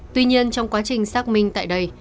tuy nhiên trong quá trình xác minh tại đây